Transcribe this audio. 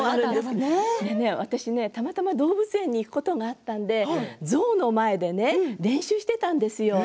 私、たまたま動物園に行くことがあったので象の前で練習していたんですよ。